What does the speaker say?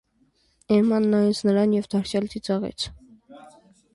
Էմման նայեց նրան և դարձյալ ծիծաղեց: